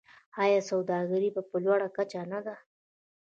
آیا سوداګري یې په لوړه کچه نه ده؟